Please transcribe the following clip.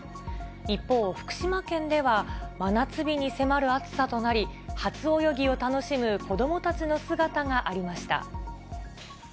一方、福島県では真夏日に迫る暑さとなり、初泳ぎを楽しむ子どもたちの姿がありました。